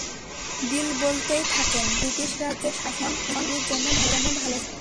বিল বলতেই থাকেন, কেন ব্রিটিশ রাজের শাসন পৃথিবীর জন্য ভালো ছিল।